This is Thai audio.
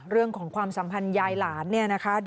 เรื่องของความสัมพันธ์ยายหลานเนี่ยนะคะ